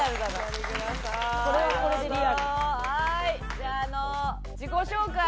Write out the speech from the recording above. じゃあ自己紹介